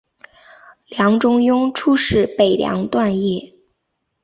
梁中庸初仕北凉段业。